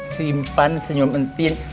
simpan senyum entin